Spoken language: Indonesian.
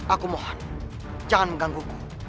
aku mohon jangan mengganggu